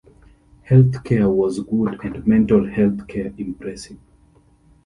Health care was good and mental health care impressive.